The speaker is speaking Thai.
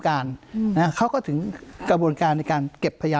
การนะฮะเขาก็ถึงกระบวนการในการเก็บพยายาม